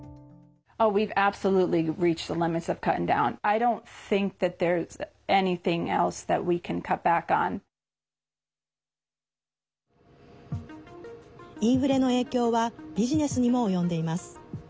インフレの影響はビジネスにも及んでいます。